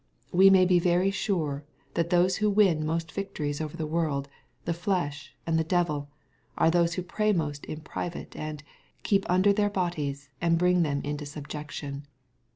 We may be very sure that those who win most victories over the world, the flesh, and the devil, are those who pray most in private, and ^^ keep under their bodies, and bring them into subjection.